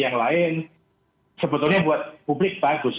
yang lain sebetulnya buat publik bagus